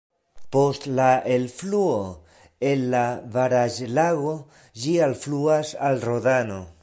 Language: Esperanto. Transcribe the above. Post la elfluo el la baraĵlago ĝi alfluas al Rodano.